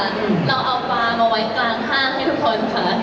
เราเอาปลามาไว้กลางห้างให้ทุกคนค่ะ